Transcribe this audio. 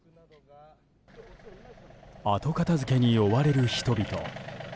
後片付けに追われる人々。